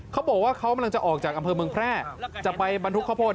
เขาบอกว่าเขากำลังจะออกจากอำเภอเมืองแพร่จะไปบรรทุกข้าวโพด